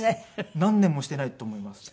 何年もしていないと思いますね。